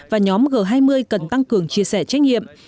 và nhóm g hai mươi cần tăng cường chia sẻ trách nhiệm